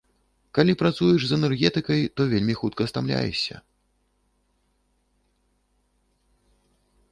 Калі працуеш з энергетыкай, то вельмі хутка стамляешся.